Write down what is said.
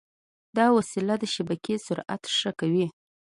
دا وسیله د شبکې سرعت ښه کوي.